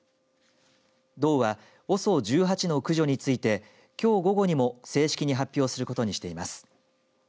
道はＯＳＯ１８の駆除についてきょう午後にも正式に発表することにしています。